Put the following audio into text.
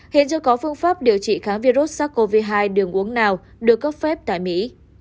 hiện chưa có phương pháp điều trị kháng virus sars cov hai đường uống nào được cấp phép tại mỹ